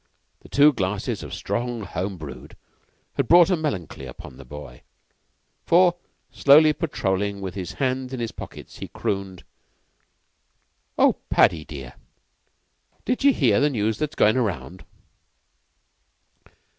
The two glasses of strong home brewed had brought a melancholy upon the boy, for, slowly strolling with his hands in his pockets, he crooned: "Oh, Paddy dear, and did ye hear the news that's goin' round?"